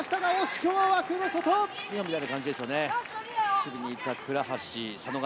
今みたいな感じですよね。